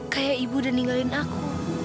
kayak ibu udah ninggalin aku